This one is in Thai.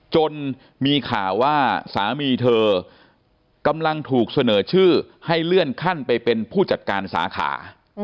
จนมีข่าวว่าสามีเธอกำลังถูกเสนอชื่อให้เลื่อนขั้นไปเป็นผู้จัดการสาขา